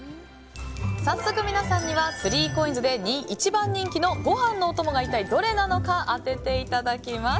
早速、皆さんにはスリーコインズで一番人気のご飯のお供が一体どれなのか当てていただきます。